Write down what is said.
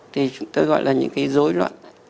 thì chúng ta gọi là những cái dối loạn